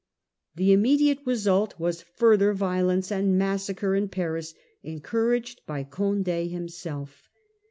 The immediate result was further violence and massacre in Paris, encouraged by Condd himself.